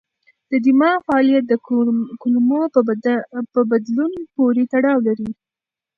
د دماغ فعالیت د کولمو په بدلون پورې تړاو لري.